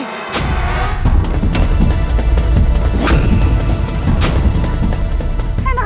kau tidak bisa menyerah